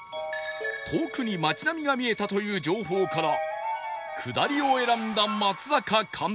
遠くに街並みが見えたという情報から下りを選んだ松坂監督